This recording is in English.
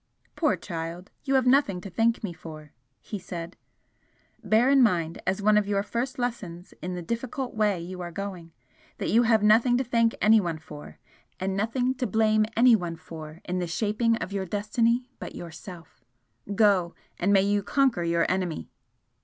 "Poor child, you have nothing to thank me for!" he said. "Bear in mind, as one of your first lessons in the difficult way you are going, that you have nothing to thank anyone for, and nothing to blame anyone for in the shaping of your destiny but Yourself! Go! and may you conquer your enemy!"